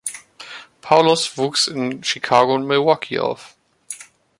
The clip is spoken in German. Paulos wuchs in Chicago und Milwaukee auf.